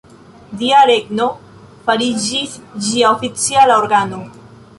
Dia Regno fariĝis ĝia oficiala organo.